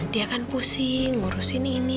dia kan pusing ngurusin ini